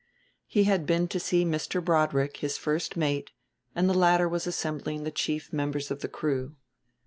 He had been to see Mr. Broadrick, his first mate, and the latter was assembling the chief members of the crew.